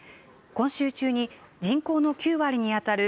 今週中に人口の９割にあたる